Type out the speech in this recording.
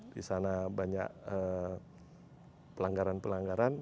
di sana banyak pelanggaran pelanggaran